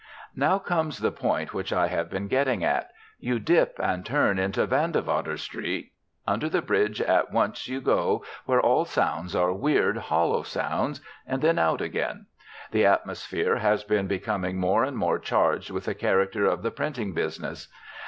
Now comes the point which I have been getting at. You dip and turn into Vandewater Street. Under the Bridge at once you go, where all sounds are weird, hollow sounds, and then out again. The atmosphere has been becoming more and more charged with the character of the printing business.